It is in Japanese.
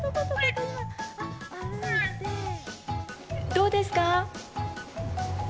どうですか？